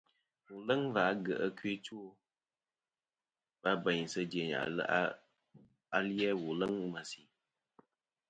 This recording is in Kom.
Wùl ɨ̀ leŋ và agyèʼ ɨkœ ɨ two wa bèynsɨ dyèyn ali-a wù leŋ ɨ̀ mèsì.